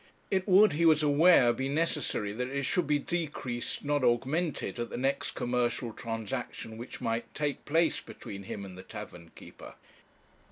It would, he was aware, be necessary that it should be decreased, not augmented, at the next commercial transaction which might take place between him and the tavern keeper.